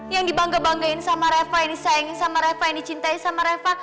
yang dibangga banggain sama reva ini sayang sama reva yang dicintai sama reva